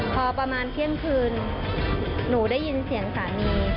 พอประมาณเที่ยงคืนหนูได้ยินเสียงสามี